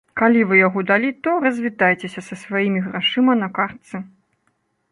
Калі вы яго далі, то развітайцеся са сваімі грашыма на картцы!